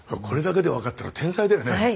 これだけで分かったら天才だよね。